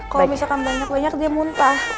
kalau misalkan banyak banyak dia muntah